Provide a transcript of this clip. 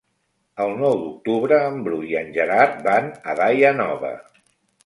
El nou d'octubre en Bru i en Gerard van a Daia Nova.